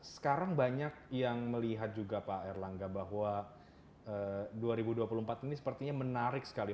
sekarang banyak yang melihat juga pak erlangga bahwa dua ribu dua puluh empat ini sepertinya menarik sekali